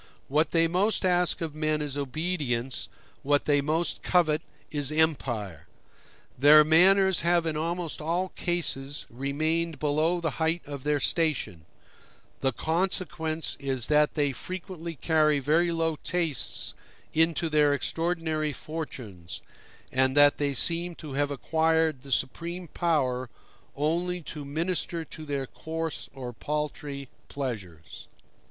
What they most ask of men is obedience what they most covet is empire. Their manners have in almost all cases remained below the height of their station; the consequence is that they frequently carry very low tastes into their extraordinary fortunes, and that they seem to have acquired the supreme power only to minister to their coarse or paltry pleasures.